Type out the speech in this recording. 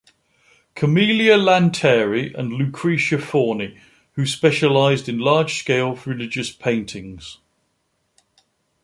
Camelia Lanteri and Lucretia Forni, who specialized in large-scale religious paintings.